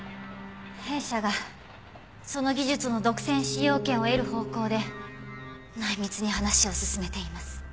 弊社がその技術の独占使用権を得る方向で内密に話を進めています。